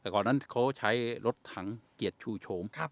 แต่ก่อนนั้นเขาใช้รถถังเกียรติชูโฉม